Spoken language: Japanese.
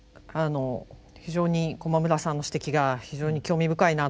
非常に駒村さんの指摘が非常に興味深いなと思いました。